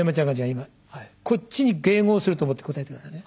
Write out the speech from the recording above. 今こっちに迎合すると思って答えて下さいね。